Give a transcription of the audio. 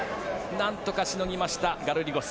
なんとかしのぎましたガルリゴス。